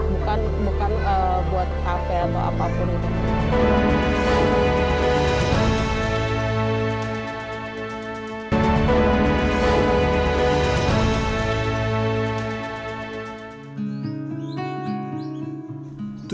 bukan buat kafe atau apapun itu